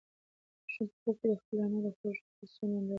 ماشوم په خوب کې د خپلې انا د خوږو قېصو ننداره کوله.